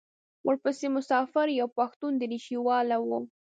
ورپسې مسافر یو پښتون درېشي والا و.